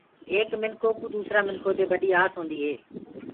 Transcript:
ايڪ منکو ڪُو دوسرآ منکو دي ٻڏي آس هوندي هي۔